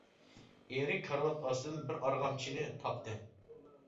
ئېرى كارىۋات ئاستىدىن بىر ئارغامچىنى تاپتى.